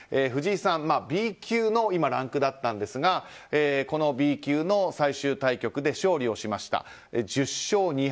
藤井さん、今Ｂ級のランクだったんですがこのＢ級の最終対局で勝利をしました。